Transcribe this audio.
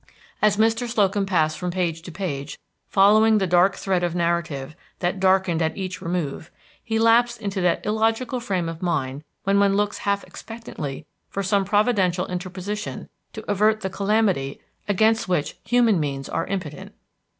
As Mr. Slocum passed from page to page, following the dark thread of narrative that darkened at each remove, he lapsed into that illogical frame of mind when one looks half expectantly for some providential interposition to avert the calamity against which human means are impotent.